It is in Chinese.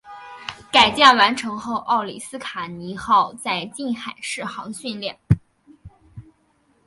改建完成后奥里斯卡尼号在近海试航训练。